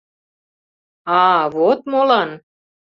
А-а, вот молан!